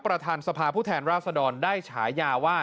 ประธานสภาพฤทธิ์ราชดรได้ฉายาว่า